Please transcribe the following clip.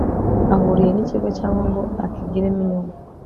ahuriye n ikigo cyangwa ngo akigiremo inyungu